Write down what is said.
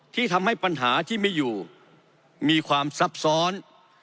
ที่ทำให้ปัญหาที่ไม่อยู่มีความซับซ้อน